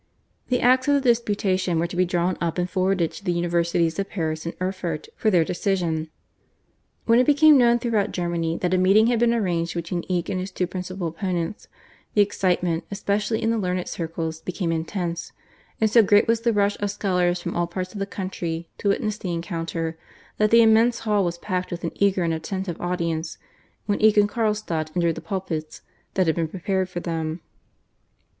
The acts of the disputation were to be drawn up and forwarded to the Universities of Paris and Erfurt for their decision. When it became known throughout Germany that a meeting had been arranged between Eck and his two principal opponents, the excitement, especially in the learned circles, became intense, and so great was the rush of scholars from all parts of the country to witness the encounter, that the immense hall was packed with an eager and attentive audience when Eck and Carlstadt entered the pulpits that had been prepared for them.